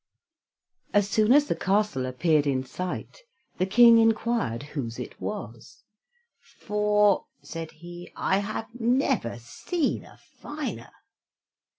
As soon as the castle appeared in sight, the King enquired whose it was, "For," said he, "I have never seen a finer."